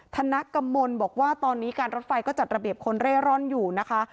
ธนกมลบอกว่าตอนนี้การรถไฟก็จัดระเบียบคนเร่ร่อนอยู่นะคะ